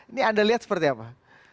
ini anda lihat seperti apa